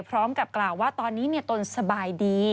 พร้อมกับกล่าวว่าตอนนี้ตนสบายดี